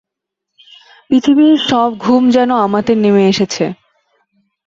পৃথিবীর সব ঘুম যেন আমাতে নেমে এসেছে।